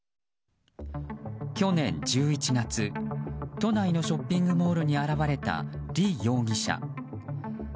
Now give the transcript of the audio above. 去年１１月、都内のショッピングモールに現れたリ容疑者。